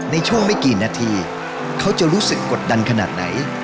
ในช่วงไม่กี่นาทีเขาจะรู้สึกกดดันขนาดไหน